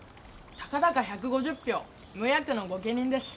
たかだか１５０俵無役の御家人です。